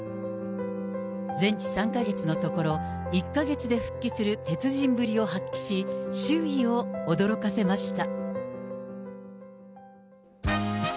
全治３か月のところ、１か月で復帰する鉄人ぶりを発揮し、周囲を驚かせました。